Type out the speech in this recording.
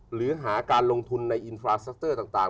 หรือหาการลงทุนในอินทราซัสเตอร์ต่าง